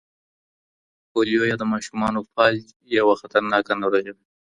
پولیو یا د ماشومانو فلج یوه خطرناکه ناروغي ده.